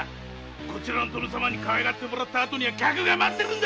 この殿様にかわいがってもらったら客が待ってるんだ。